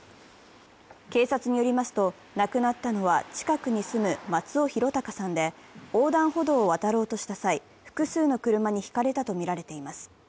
警察によりますと、亡くなったのは近くに住む松尾啓生さんで横断歩道を渡ろうとした際、複数の車にひかれたとみられています。